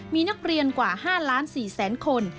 มีนักเรียนกว่า๕ล้าน๔แสนคน